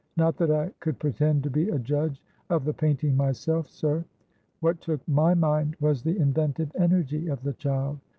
Not that I could pretend to be a judge of the painting myself, sir; what took my mind was the inventive energy of the child.